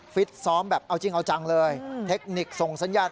ฟิตซ้อมแบบเอาจริงเอาจังเลยเทคนิคส่งสัญญาณ